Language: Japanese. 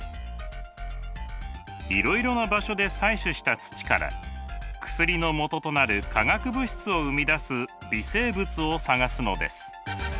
いろいろな場所で採取した土から薬のもととなる化学物質を生み出す微生物を探すのです。